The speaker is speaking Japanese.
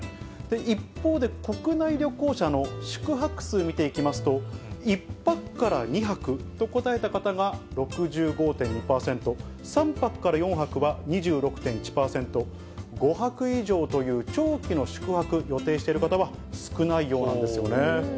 一方で、国内旅行者の宿泊数見ていきますと、１泊から２泊と答えた方が６５．２％、３泊から４泊は２６．１％、５泊以上という長期の宿泊予定している方は少ないようなんですよ